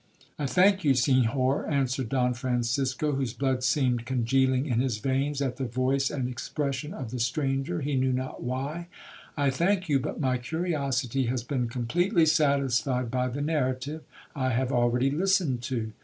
'—'I thank you, Senhor,' answered Don Francisco, whose blood seemed congealing in his veins at the voice and expression of the stranger, he knew not why—'I thank you, but my curiosity has been completely satisfied by the narrative I have already listened to.